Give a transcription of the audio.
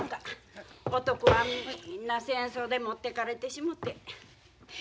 男はみんな戦争で持ってかれてしもて。